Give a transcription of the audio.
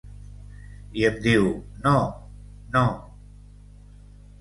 I em diu: No, no.